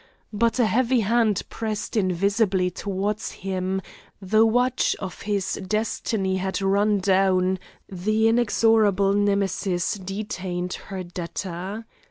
But a heavy hand pressed invisibly towards him, the watch of his destiny had run down, the inexorable Nemesis detained her debtor.